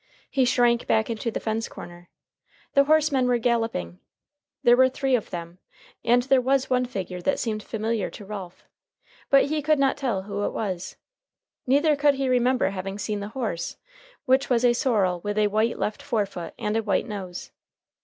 He shrank back into the fence corner. The horsemen were galloping. There were three of them, and there was one figure that seemed familiar to Ralph. But he could not tell who it was. Neither could he remember having seen the horse, which was a sorrel with a white left forefoot and a white nose.